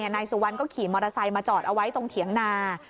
นายสุวรรณก็ขี่มอเตอร์ไซค์มาจอดเอาไว้ตรงเถียงนา